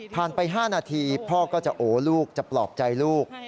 ไป๕นาทีพ่อก็จะโอ้ลูกจะปลอบใจลูก